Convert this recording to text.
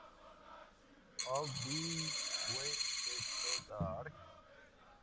How Did We Get So Dark?